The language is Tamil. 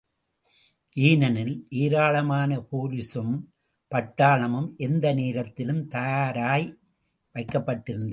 ஏனெனில் ஏராளமான போலிசும் பட்டாளமும் எந்த நேரத்திலும் தயாராய் வைக்கப்பட்டிருந்தன.